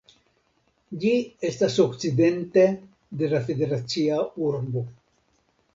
Ĝi estas okcidente de la federacia urbo.